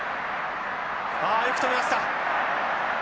あよく止めました。